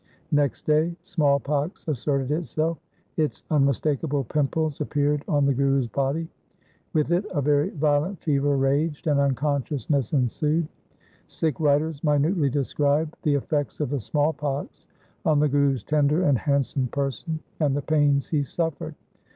Next day small pox asserted itself. Its unmis takable pimples appeared on the Guru's body. With it a very .violent fever raged and unconsciousness ensued. Sikh writers minutely describe the effects of the small pox on the Guru's tender and handsome person, and the pains he suffered.